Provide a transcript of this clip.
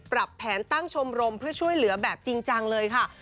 ปรับแผนตั้งชมรมเพื่อช่วยเหลือแบบจริงจังเลยค่ะ